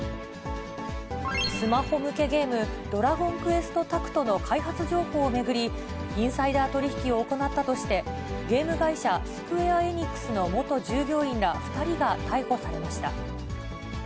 スマホ向けゲーム、ドラゴンクエストタクトの開発情報を巡り、インサイダー取り引きを行ったとして、ゲーム会社、スクウェア・エニックスの元従業員ら２人が逮捕されました。